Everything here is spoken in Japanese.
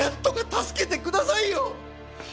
助けてください！